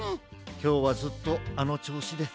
きょうはずっとあのちょうしです。